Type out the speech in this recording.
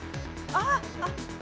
あっ。